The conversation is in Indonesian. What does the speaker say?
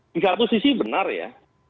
di satu sisi benar ya